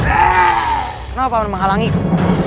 kenapa paman menghalangiku